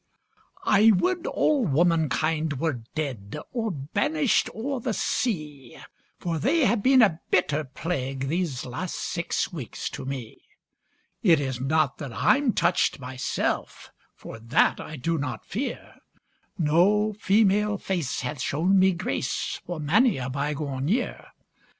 I would all womankind were dead, Or banished o'er the sea; For they have been a bitter plague These last six weeks to me: It is not that I'm touched myself, For that I do not fear; No female face hath shown me grace For many a bygone year.